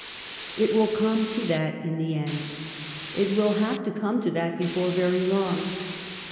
It will come to that in the end. It will have to come to that before very long.